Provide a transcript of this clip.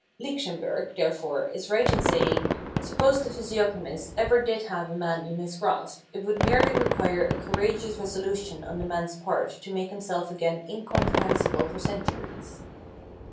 Lichtenberg,* therefore, is right in say ing :" Suppose the physiognomist ever did have a man in his grasp, it would merely require a courageous resolution on the man's part to make himself again in comprehensible for centuries."